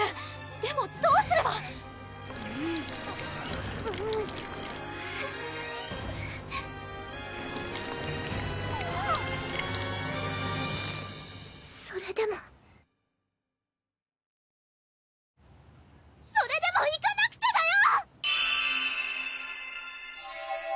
でもどうすれば⁉それでもそれでも行かなくちゃだよ！